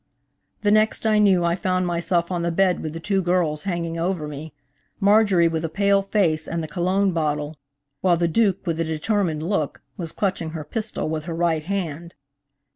The next I knew I found myself on the bed with the two girls hanging over me, Marjorie with a pale face and the cologne bottle, while the Duke, with a determined look, was clutching her pistol with her right hand.